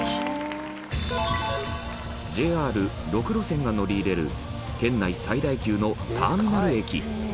ＪＲ６路線が乗り入れる県内最大級のターミナル駅